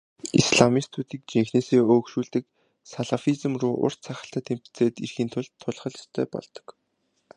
Исламистуудыг жинхэнээсээ өөгшүүлдэг салафизм руу урт сахалтай тэмцээд ирэхийн цагт тулах л ёстой болдог.